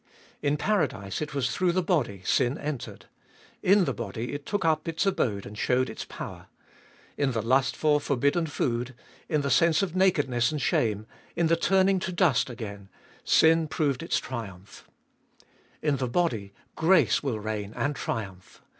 In paradise it was through the body sin entered ; in the body it took up its abode and showed its power. In the lust for forbidden food, in the sense of naked ness and shame, in the turning to dust again, sin proved its 334 Cbe Dolicst of triumph. In the body grace will reign and triumph.